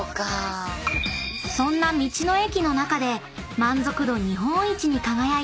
［そんな道の駅の中で満足度日本一に輝いた］